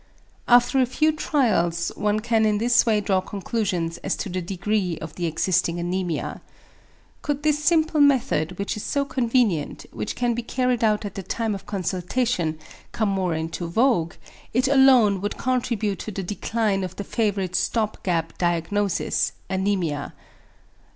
After a few trials one can in this way draw conclusions as to the degree of the existing anæmia. Could this simple method which is so convenient, which can be carried out at the time of consultation, come more into vogue, it alone would contribute to the decline of the favourite stop gap diagnosis, 'anæmia.'